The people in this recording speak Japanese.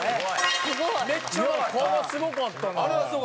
すごい！これはすごかったな。